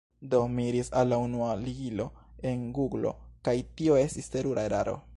Do, mi iris al la unua ligilo en guglo kaj tio estis terura eraro.